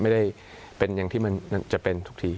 ไม่ได้เป็นอย่างที่มันจะเป็นทุกที